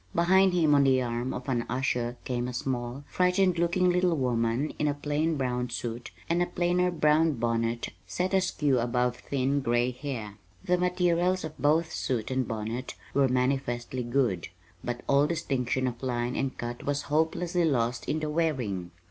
Behind him on the arm of an usher came a small, frightened looking little woman in a plain brown suit and a plainer brown bonnet set askew above thin gray hair. The materials of both suit and bonnet were manifestly good, but all distinction of line and cut was hopelessly lost in the wearing.